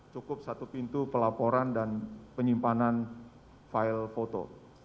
cukup satu pintu pelaporan dan penyimpanan file foto